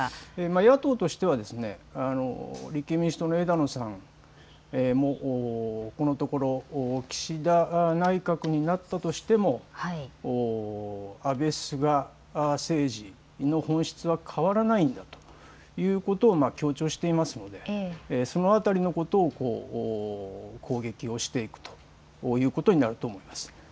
野党としては立憲民主党の枝野さん、枝野さんもこのところ、岸田内閣になったとしても安倍、菅政治の本質は変わらないということを強調していますのでその辺りのことを攻撃をしていくということになると思います。